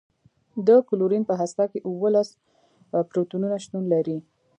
د کلورین په هسته کې اوولس پروتونونه شتون لري.